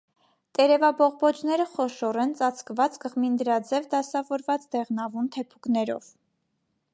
Տերևաբողբոջները խոշոր են, ծածկված կղմինդրաձև դասավորված դեղնավուն թեփուկներով։